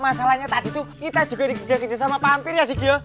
masalahnya tadi tuh kita juga dikejar kejar sama vampir ya digya